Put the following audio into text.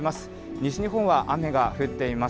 西日本は雨が降っています。